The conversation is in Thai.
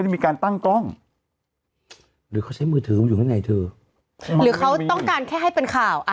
นี้มีคนบอกทำไปโอหลีแฟน